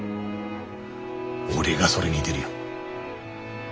俺がそれ見でるよ。